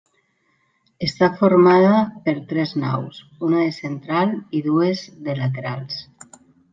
Està formada per tres naus, una de central i dues de laterals.